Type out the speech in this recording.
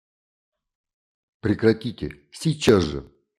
Прекратите сейчас же!